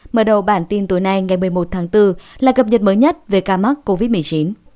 mở đầu bản tin tối nay ngày một mươi một tháng bốn là cập nhật mới nhất về ca mắc covid một mươi chín